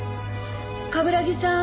「冠城さん！